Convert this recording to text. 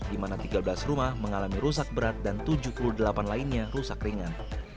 di mana tiga belas rumah mengalami rusak berat dan tujuh puluh delapan lainnya rusak ringan